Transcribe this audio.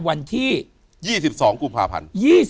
วันที่๒๒กุมภาพันธ์